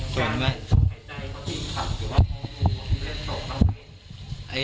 ส่วนไว้